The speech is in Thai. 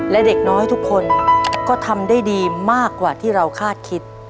และเด็กน้อยทุกคนก็ทำได้ดีมากกว่าที่เราคาดคิด